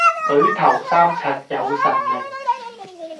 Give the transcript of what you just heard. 舉頭三尺有神明